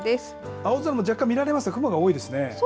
青空も若干見られますが雲が多いですね。